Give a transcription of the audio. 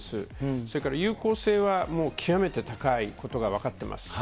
それから有効性は、極めて高いことが分かってます。